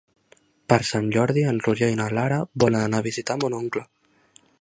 Per Sant Jordi en Roger i na Lara volen anar a visitar mon oncle.